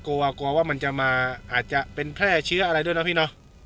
กลัวกลัวว่ามันจะมาอาจจะเป็นแพร่เชื้ออะไรด้วยนะพี่เนอะ